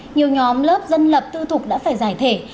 nhiều nhóm lớp dân lập tư thục đã phải giải thể